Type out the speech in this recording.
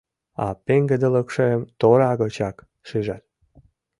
А пеҥгыдылыкшым тора гычак шижат.